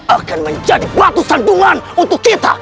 akan menjadi batu sandungan untuk kita